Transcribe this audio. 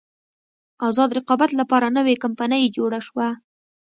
ازاد رقابت لپاره نوې کمپنۍ جوړه شوه.